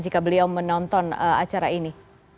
jika beliau menonton acara ini